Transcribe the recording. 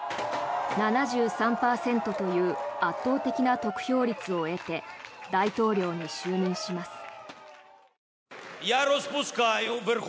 ７３％という圧倒的な得票率を得て大統領に就任します。